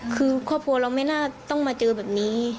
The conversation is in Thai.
คือครอบครัวเราไม่น่าต้องมาเจอแบบนี้